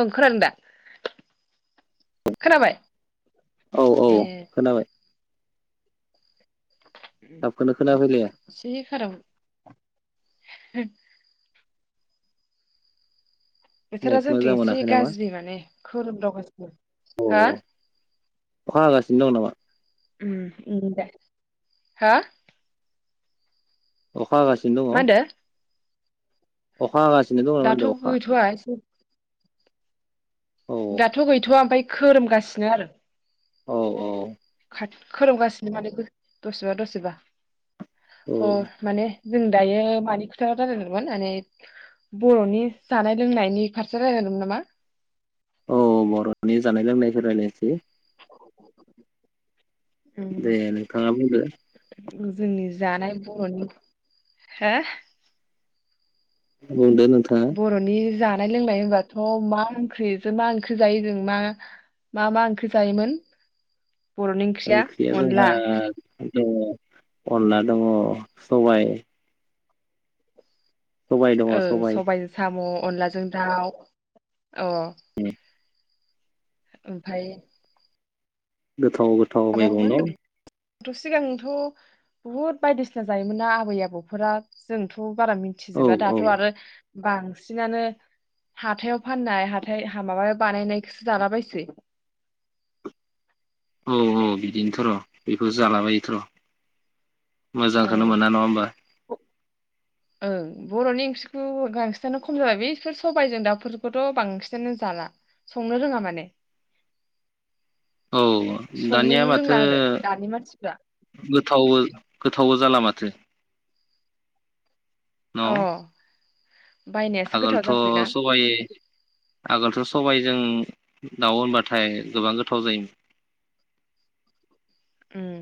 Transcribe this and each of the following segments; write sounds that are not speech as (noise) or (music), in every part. ओं खोनादों दा खोनाबाय औ ए औ खोनाबाय थाबखौनो खोनाफैलाया (unintelligible) (inaudible) बोथोरा नेट मोजां जोंथिं एसे मोनाखै नामा? गाज्रि माने खोरोमदावगासिनो औ हो अखा हागासिनो दं नामा? उम उम दे हा अखा हागासिनो मा दङ होनदो अखा गासिनो दं न दाथ' मानदों अखा? गैथ'वा एसे औ दाथ गैथ'आ ओमफाय खोरोमगासिनो आरो औ औ खा-खोमगासिनो माने दसेबा दसेबा औ अ माने जों दायो मानि खोथाव रायलायदोंमोन माने बर'नि जानाय लोंनायनि फारसे रायलायदोंमोन नामा? औ बर'नि जानाय लोंनायखौ रायलायनोसै दे नोंथांआ बुंदो जोंनि जानाय बर'नि हो (inaudible) बुंदों नोंथाङा। नाय लोंनाय हबाथ' मा ओंख्रिजों मा ओंख्रि जायो जों मा मा मा ओंख्रि जायोमोन बर'नि ओंख्रिया अनला दङ अनला दङ सबाइ औ सबाय सबाइजों साम अनलाजों दाउ अ ओमफाय द गोथाव गोथाव मैगंनाव आथ' सिगांथ' बुहुद बायदिसिना जायोमोन ना आबै आबौफोरा जोंथ' बारा औ मिथिजोबा औ दाथ' आरो बांसिनानो हाथायाव फाननाय हाथाय माबायाव बानायनायखौसो जालाबायसै। औ औ बिदिनोथ' र' बेखौ जालाबायोथ' र' मोजांखौनो ओं मोना नङा होमबा। ओं बर'नि ओंख्रिखौ बांसिनानो खम जाबाय बे बिसफोर सबायजों दाउफोरखौथ' बांसिनानो जाला संनो रोङा माने। औ दानिया संनोनो रोंला माथो आरो दानि मानसिफ्रा गोथाव गोथावबो जाला माथो। अ बायनायासो गोथाव जासैना आगोलथ' सबाइ आगोलथ' सबाइ जों दाउ होनबाथाय गोबां गोथाव जायोमोन उम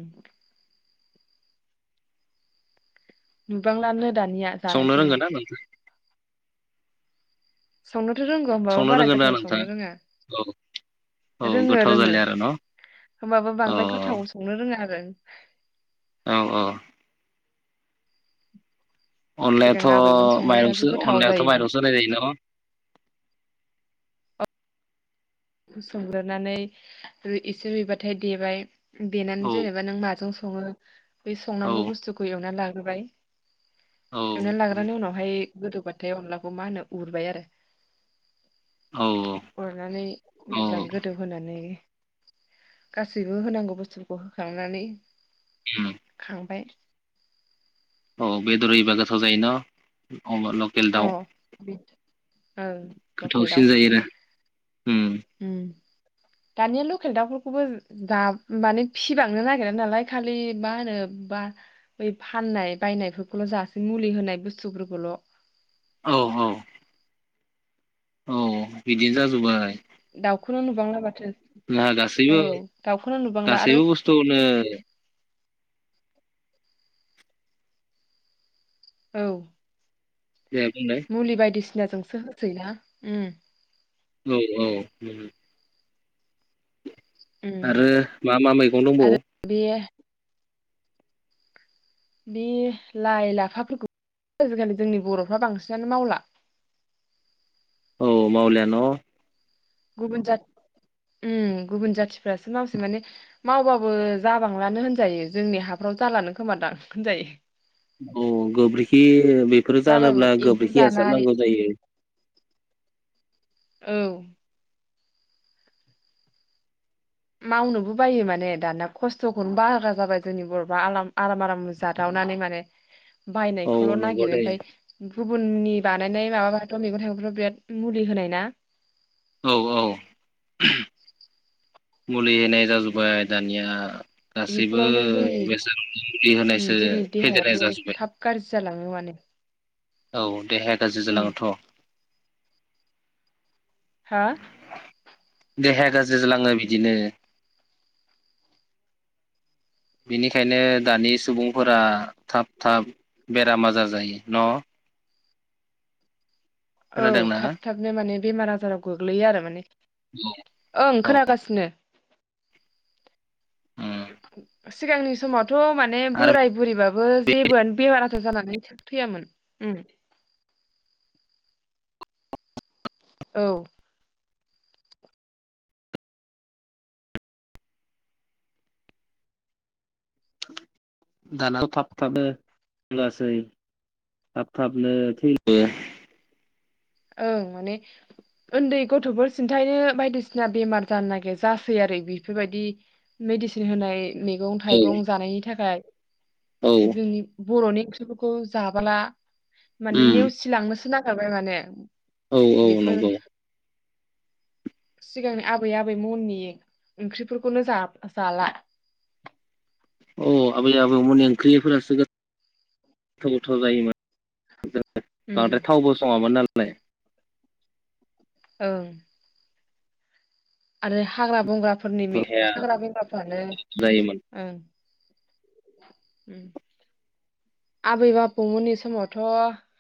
नुबांलानो दानिया संनो जानायखौनो रोंगोन ना नोंथां संनो थ' रोंगौ होनोमबाबो संनो बारा रोंगोन ना गोथाव नोंथां संनो रोंङा औ औ रोंङो गोथाव रोंङो जालिया आरो न' होनबाबो औ बांद्राय गोथाव संनो रोंङा आरो (inaudible) औ औ सिगां अनलायाथ' आबैमोन संनायफ्रासो माइरंसो गोथाव अनलायाथ' जायोमोन माइरंसो होनाय जायो न खौ संग्रोनानै रु एसे रुइबाथाय देबाय देनानै जेनेबा नों माजों संङो बेै औ संनांगौ बुस्थुखौ एवना लाग होबाय एवनानै लाग्रानि उनावहाय गोदौबाथाय अनलाखौ मा होनो उरबाय आरो औ उरनानै औ मोजां गोदौ होनानै गासैबो होनांगौ बुस्थुफोरखौ होखांनानै खांबाय औ बेदर एबा गोथाव जायो ना अ लकेल अ दाउ बि ओं गोथावसिन जायो आरो उम्म। उम्म दानिया लकेल दाउफोरखौबो दा माने फिसिबांनो नागिरा नालाय खालि मा होनो बा बै फाननाय बायनायफोरखौल' जासै मुलि होनाय बुस्थुफोरखौल'। औ औ। औ बिदिनो जाजोबबाय। दाउखौनो नुबांला माथो। ना औ गासैबो दाउखौनो नुबांला आरो गासैबो बुस्थुखौनो औ। दे बुंलाय। सिनाजोंसो होसै ना उम्म। औ औ नंगौ। उम आरो मा मा मैगं गं दंबावो? बे बे लाइ लाफाफोरखौ आजिखालि जोंनि बर'फ्रा बांसिनानो मावला। औ मउलान'? गुबुन जाथि उम्म गुबुन जाथिफ्रासो मावसेै माने मावबाबो जाबांलानो होनजायो जोंनि हाफ्राव जालानो खोमादां होनजायो। अ गोबोरखि बेफोर जाबाबो जानोब्ला एम्फौ गोबोरखि हासार जानाय नांगौ जायो। औ। मावनोबो बायो माने दाना खस्थ'खौनो बारा जाबाय जोंनि बर'फ्रा आर आराम आराम जादावनानै माने औ बायनायखौल' नंगौ नागिरो दे ओमफ्राय गुबुननिबा नानै माबाबाथ मैगं थाइगं बिराद मुलि होनाय ना। औ औ। मुलि होननाय जाजोबबाय दानिया गासैबो बेफोरावनो जोंनि बेसादावनो मुलि ओम होनायसो जोंनि फेदेरनाय देहायाबो जाजोब्बाय थाब गाज्रि जालाङो माने औ। देहाया गाज्रि उम जालांङोथ'। हा? देहाया गाज्रि जालाङो बिदिनो बेनिखायनो दानि सुबुंफोरा थाब थाब बेराम आजार जायो न'? औ खोनादोंना थाब थाबनो माने बेमार आजाराव गोग्लैयो आरो माने औ ओं औ खोनागासिनो। उम सिगांनि समावथ' माने आरो बोराय बुरैबाबो जेबो बेमार आजार जानानै थ थैयामोन उम्म। औ। दाना थाब थाबनो (unintelligible) थाब थाबनो थैयो। ओं माने उन्दै गथ'फोर सिन्थायनो बायदिसिना बेमार जानो नागिर जासै आरो बेफोरबायदि मेडिसिन होनाय मैगं थाइगं जानायनि थाखाय औ जोंनि बर'नि (unintelligible) जाबोला माने उम नेवसिलांनोसो ना (unintelligible) माने औ औ बेफोर नंगौ सिगांनि आबै आबै मोननि ओंख्रिफोरखौनो जाला अ आबै आबौमोननि ओंख्रिफोरासो गोथाव गोथाव जायोमोन। उम बांद्राय थावबो सङामोन नालाय (unintelligible) औ आरो हाग्रा बंग्रा फोरनि बरहाया हाग्रा बंग्राफ्रानो जायोमोन ओ आबै आबौमोननि समावथ'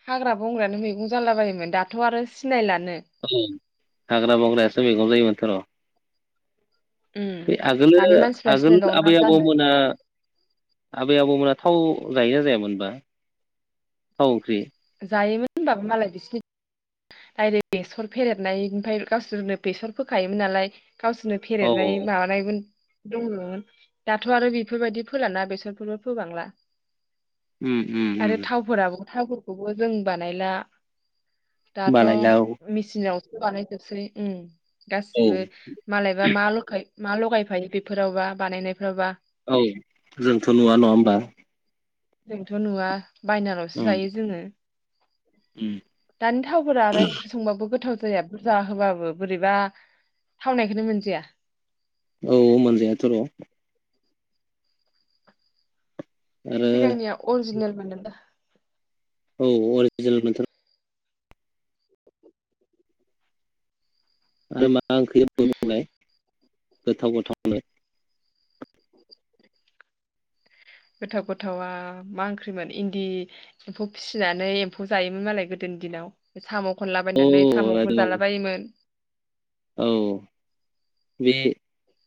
हाग्रा बंग्रायानो मैगं जाला बायोमोन दाथ' आरो सिनायलानो ओं हाग्रा बंग्रायासो मैगं जायोमोनथ' र' उम बे आगोलो दानि मानसिफ्रा आगोल सिनायबावला आबै जानो आबौमोना आबै आबौमोना थाव जायोना जायामोनबा थाव ओंख्रि जायोमोन होमबाबो मालाय बिसोरनि डायरेक्ट बेसर फेरेदनाय ओमफ्राय गावसोरनो बेसर फोखायोमोन नालाय गावसोरनो औ फेरेदनाय माबानायमोन दङ दाथ' आरो बेफोरबायदि फोलाना बेसरफोरबो फोबांला उम उम उम थाबुरखौबो जों बानायला दाथ' बानायना औ मेचिनाव बाननाय जोबसै उम औ गासिबो मालायबा मा ल'खाय मा लगायफायो बेफोरावबा बानायनायफ्राबा औ जोंथ' नुवा नङा होमबा जोंथ' नुवा बायनालसो उम जायो जोङो उम दानि थावफोरा आरो ओंख्रि संबाबो गोथाव जाया बुरजा होबाबो बोरैबा थावनायखौनो मोनजाया औ मोनजायाथ' र' आरो सिगांनिया अरिजिनेलमोन दा? (inaudible) औ अरिजिनेल मोनथर आरो मा मा (unintelligible) बुंलाय। गोथाव गोथावनो। गोथाव गोथावा मा ओंख्रिमोन इन्दि एम्फौ फिसिनानै एम्फौ जायोमोन मालाय गोदोनि दिनाव साम'खौ खनलाबायनानै औ साम'फोर एकदम जालाबायोमोन। औ बे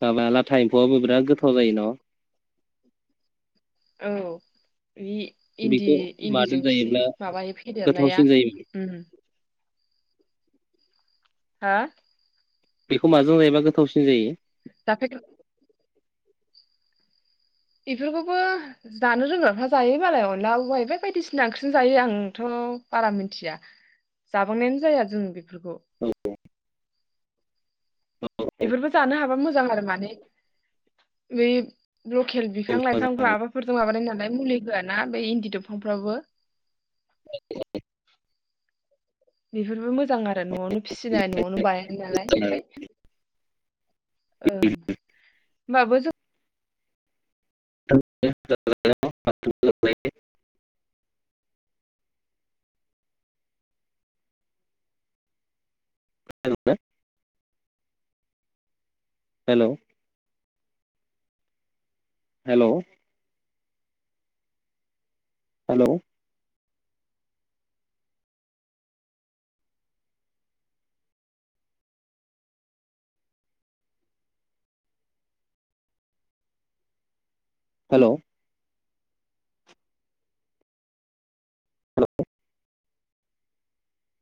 माबा लाथा एम्फौआबो बिराद गोथाव जाय न'? औ। बि इन्दि बेखौ मादो इन्दिजों फिसि जायोब्ला माबायो फेदेरनाया गोथावसिन जायो उम हा? बेखौ माजों जायोबा गोथावसिन जायो? (unintelligible) बेफोरखौबो जानो रोंग्राफ्रा जायो मालाय अनदला उायबाय बायदिसिना ओंख्रिजों जायो आंथ' बारा मिथिया जाबांनायानो जाया जों बेफोरखौ। औ औ औ बेैब लकेल औ बिफां लाइफांब्लाबो मोजां माबाफोरजों माबानाय नालाय मुलि आ ना बे इन्दि दंफांफ्रावबो (unintelligible) बेफोरबो मोज मोजां आरो न'आवनो फिसिनाय न'आवनो बायानाय नालाय ओमफ्राय ओं होनोमबाबो जों (unintelligible) (unintelligible) हेल'। हेल'। हेल'। हेल'।